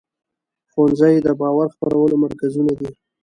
ښوونځي د باور خپرولو مرکزونه دي.